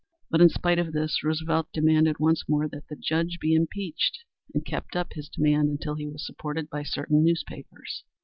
But in spite of this Roosevelt demanded once more that the judge be impeached and kept up his demand until he was supported by certain newspapers.